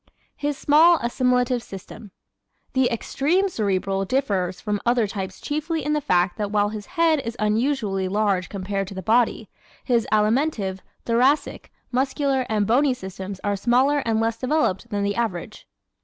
His Small Assimilative System ¶ The extreme Cerebral differs from other types chiefly in the fact that while his head is unusually large compared to the body, his alimentive, thoracic, muscular and bony systems are smaller and less developed than the average.